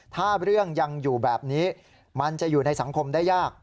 ถ้าเรื่องยังอยู่แบบนี้มันจะอยู่ในสังคมได้ยาก